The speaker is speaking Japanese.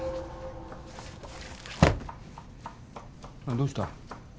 どうした？